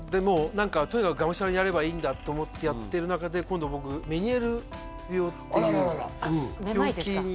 何かとにかくがむしゃらにやればいいんだと思ってやってる中で今度僕メニエール病っていうあららららめまいですか？